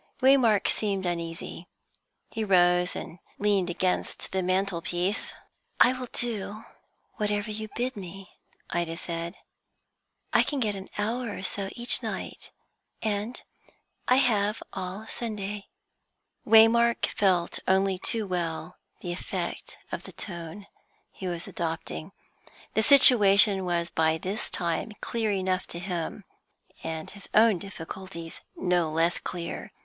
Waymark seemed uneasy. He rose and leaned against the mantelpiece. "I will do whatever you bid me," Ida said. "I can get an hour or so each night, and I have all Sunday." Waymark felt only too well the effect of the tone he was adopting. The situation was by this time clear enough to him, and his own difficulties no less clear.